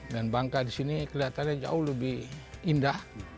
dan bangka disini kelihatannya jauh lebih indah